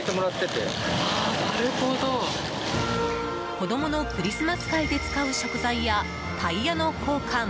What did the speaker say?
子供のクリスマス会で使う食材や、タイヤの交換。